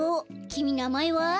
きみなまえは？